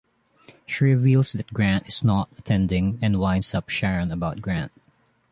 She reveals that Grant is not attending and winds up Sharon about Grant.